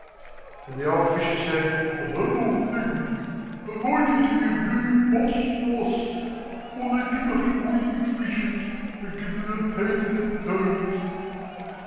And the old Fishes said, "Above all things, avoid eating a blue boss woss; for they do not agree with fishes, and give them a pain in their toes."